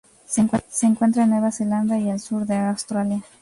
Se encuentran en Nueva Zelanda y al sur de Australia.